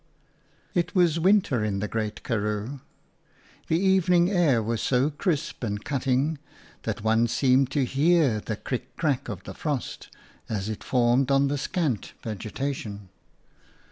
It was winter in the Great Karroo. The evening air was so crisp and cutting that one seemed to hear the crick crack of the frost, as it formed on the scant vegetation.